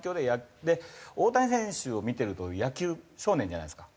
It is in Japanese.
大谷選手を見てると野球少年じゃないですか。